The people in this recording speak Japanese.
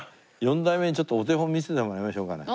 四代目にちょっとお手本見せてもらいましょうかね。